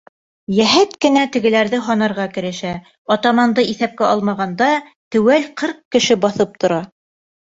Йәһәт кенә тегеләрҙе һанарға керешә, атаманды иҫәпкә алмағанда, теүәл ҡырҡ кеше баҫып тора.